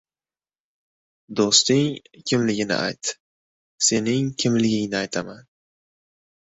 • Do‘sting kimligini ayt — sening kimligingni aytaman.